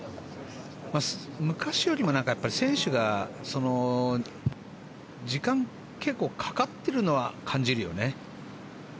昔よりも選手が時間結構かかってるのは感じるよね。